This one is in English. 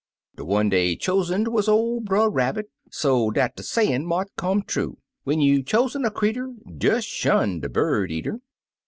De one dey choosened wuz oV Brer Rabbit, so dat de sayin' mought come true —* When you choosen a crectur, Des shun de bird eater.'